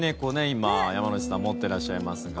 今、山之内さん持ってらっしゃいますが。